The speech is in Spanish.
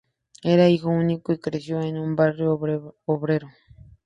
Era hijo único y creció en un barrio obrero.